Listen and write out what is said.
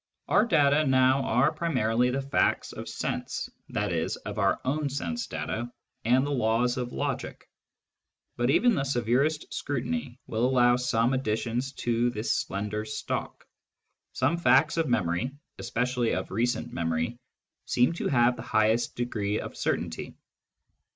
Our data now are primarily the facts of sense (i.e. of our own sense data) and the laws of logic. But even the severest scrutiny will allow some additions to this slender stock. Some facts of memory — especially of recent memory — seem to have the highest degree of certainty.